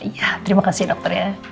iya terima kasih dokter ya